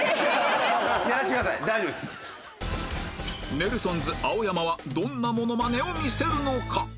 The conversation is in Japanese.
ネルソンズ青山はどんなモノマネを見せるのか？